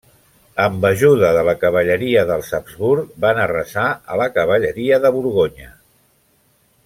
Amb ajuda de la cavalleria dels Habsburg van arrasar a la cavalleria de Borgonya.